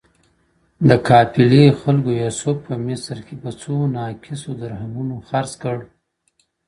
د قافلې خلکو يوسف په مصر کي په څو ناقصو درهمونو خرڅ کړ.